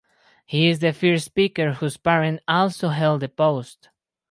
He is the first speaker whose parent also held the post.